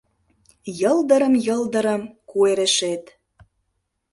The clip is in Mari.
Йылдырым-йылдырым куэрешет